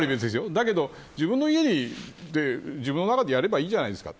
だけど自分の家で、自分の中でやればいいじゃないですか。